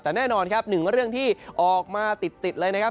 แต่แน่นอนครับหนึ่งเรื่องที่ออกมาติดเลยนะครับ